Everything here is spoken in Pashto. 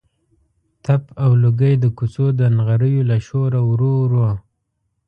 تپ او لوګی د کوڅو د نغریو له شوره ورو ورو.